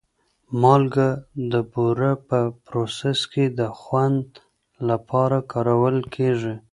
مالګه او بوره په پروسس کې د خوند لپاره کارول کېږي.